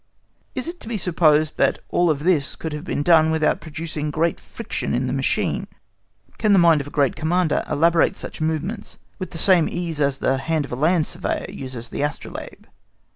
Is it to be supposed that all this could have been done without producing great friction in the machine? Can the mind of a Commander elaborate such movements with the same ease as the hand of a land surveyor uses the astrolabe?